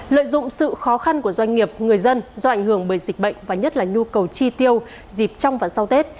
lợi dụng sự khó khăn của doanh nghiệp người dân do ảnh hưởng bởi dịch bệnh và nhất là nhu cầu chi tiêu dịp trong và sau tết